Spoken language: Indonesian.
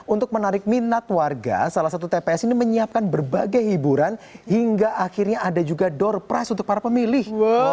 untuk menarik minat warga salah satu tps ini menyiapkan berbagai hiburan hingga akhirnya ada juga door price untuk para pemilih